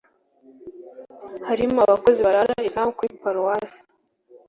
harimo abakozi barara izamu kuri Paruwasi